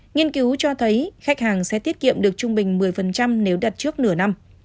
nghiên cứu cho thấy khách hàng sẽ tiết kiệm được trung bình một mươi nếu đặt trước nửa năm